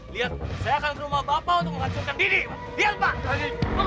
lihat saya akan ke rumah bapak untuk menghancurkan diri lihat pak